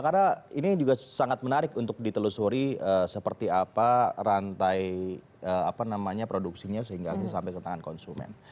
karena ini juga sangat menarik untuk ditelusuri seperti apa rantai produksinya sehingga sampai ke tangan konsumen